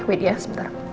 wait ya sebentar